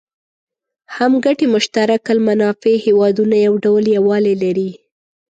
هم ګټي مشترک المنافع هېوادونه یو ډول یووالی لري.